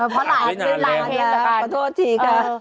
เพราะหลายเพลงแล้วขอโทษจริงค่ะ